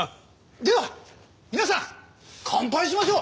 では皆さん乾杯しましょう。